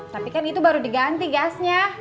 tapi kan itu baru diganti gasnya